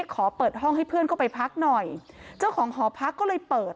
ขอเปิดห้องให้เพื่อนเข้าไปพักหน่อยเจ้าของหอพักก็เลยเปิด